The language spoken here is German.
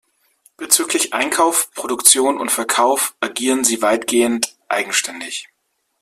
Bezüglich Einkauf, Produktion und Verkauf agieren sie weitestgehend eigenständig.